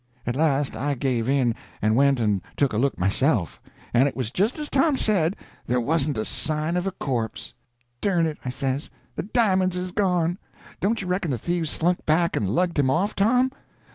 At last I give in, and went and took a look myself; and it was just as Tom said—there wasn't a sign of a corpse. "Dern it," I says, "the di'monds is gone. Don't you reckon the thieves slunk back and lugged him off, Tom?"